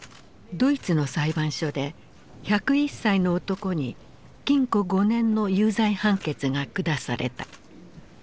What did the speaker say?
ドイツの裁判所で１０１歳の男に禁錮５年の有罪判決が下された。